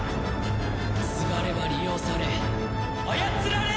すがれば利用され操られる！